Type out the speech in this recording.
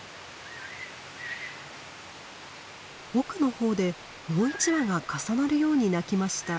奥の方でもう１羽が重なるように鳴きました。